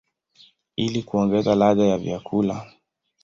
ili kuongeza ladha ya chakula.